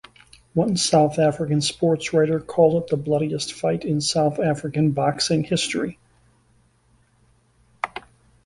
One South African sportswriter called it "the bloodiest fight in South African boxing history".